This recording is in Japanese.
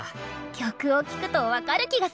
曲を聴くと分かる気がする！